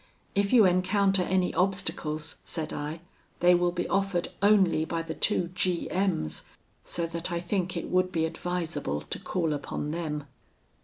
'If you encounter any obstacles,' said I, 'they will be offered only by the two G M s; so that I think it would be advisable to call upon them.'